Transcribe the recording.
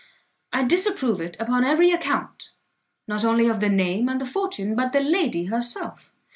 I disapprove it upon every account, not only of the name and the fortune, but the lady herself.